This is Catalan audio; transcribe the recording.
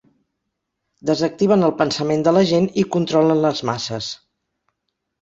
Desactiven el pensament de la gent i controlen les masses.